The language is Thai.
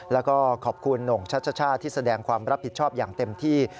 แล้วก็ขอบคุณหน่งชัชชาที่แสดงความรับผิดชอบอย่างเต็มที่